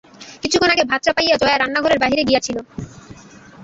কিছুক্ষণ আগে ভাত চাপাইয়া জয়া রান্নাঘরের বাহিরে গিয়াছিল।